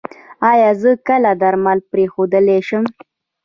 ایا زه کله درمل پریښودلی شم؟